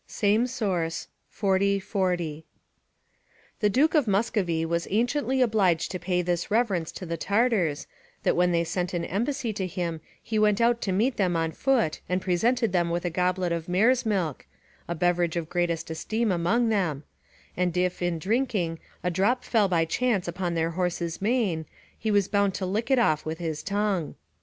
Idem, xl. 40.] The Duke of Muscovy was anciently obliged to pay this reverence to the Tartars, that when they sent an embassy to him he went out to meet them on foot, and presented them with a goblet of mares' milk (a beverage of greatest esteem amongst them), and if, in drinking, a drop fell by chance upon their horse's mane, he was bound to lick it off with his tongue.